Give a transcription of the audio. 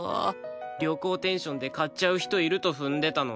旅行テンションで買っちゃう人いると踏んでたのに。